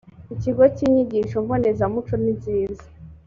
ikigo cy inyigisho mbonezamuco ninziza